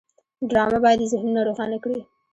ډرامه باید ذهنونه روښانه کړي